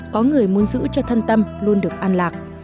có người muốn giữ cho thân tâm luôn được an lạc